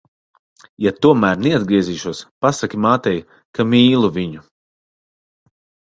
Ja tomēr neatgriezīšos, pasaki mātei, ka mīlu viņu.